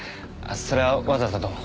それはわざわざどうも。